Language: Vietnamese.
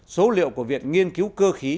số liệu của việc nghiên cứu cơ khí